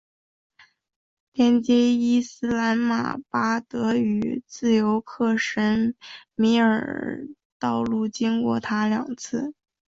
连接伊斯兰马巴德与自由克什米尔的道路经过它两次。